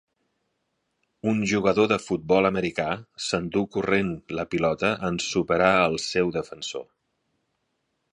Un jugador de futbol americà s'endú corrent la pilota en superar el seu defensor